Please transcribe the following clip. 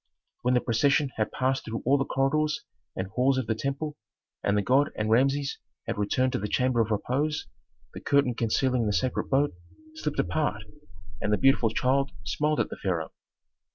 When the procession had passed through all the corridors and halls of the temple, and the god and Rameses had returned to the chamber of repose, the curtain concealing the sacred boat slipped apart and the beautiful child smiled at the pharaoh.